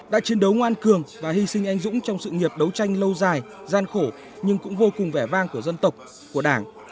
đã chiến đấu ngoan cường và hy sinh anh dũng trong sự nghiệp đấu tranh lâu dài gian khổ nhưng cũng vô cùng vẻ vang của dân tộc của đảng